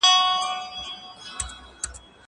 زه اوس کتاب وليکم!؟!؟